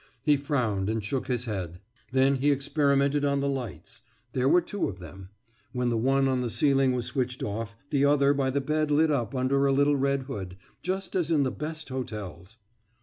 He frowned and shook his head. Then he experimented on the lights; there were two of them; when the one on the ceiling was switched off, the other by the bed lit up under a little red hood just as in the best hotels.